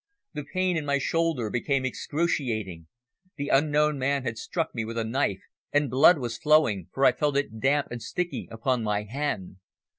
The pain in my shoulder became excruciating. The unknown man had struck me with a knife, and blood was flowing, for I felt it damp and sticky upon my hand.